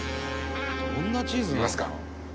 「どんなチーズなんだろう？」